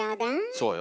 そうよ。